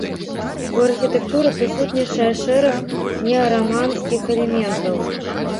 У архітэктуры прысутнічае шэраг неараманскіх элементаў.